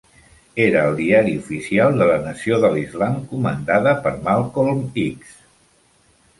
Era el diari oficial de la Nació de l'Islam comandada per Malcolm X.